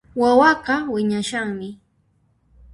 Wawaqa wiñashanmi